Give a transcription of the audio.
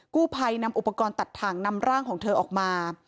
กู้ภัยนำอุปกรณ์ตัดถ่างนำร่างของเธอออกมา